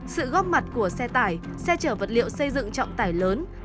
sự góp mặt của xe tải xe chở vật liệu xây dựng trọng tải lớn